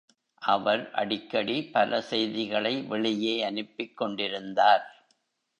அவர் அடிக்கடி பல செய்திகளை வெளியே அனுப்பிக் கொண்டிருந்தார்.